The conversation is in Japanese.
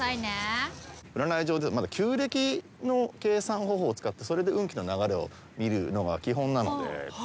占い上では旧暦の計算方法を使ってそれで運気の流れを見るのが基本なので。